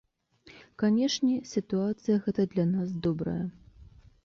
Канешне, сітуацыя гэта для нас добрая.